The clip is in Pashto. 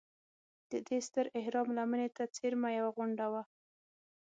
د دې ستر اهرام لمنې ته څېرمه یوه غونډه وه.